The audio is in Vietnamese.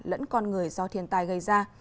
lẫn con người do thiên tai gây ra